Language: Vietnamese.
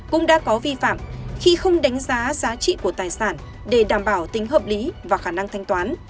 cũng đã có vi phạm khi không đánh giá giá trị của tài sản để đảm bảo tính hợp lý và khả năng thanh toán